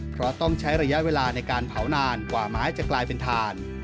เพราะต้องใช้ระยะเวลาในการเผานานกว่าไม้จะกลายเป็นถ่าน